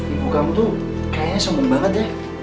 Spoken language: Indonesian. ibu kamu tuh kayaknya seneng banget ya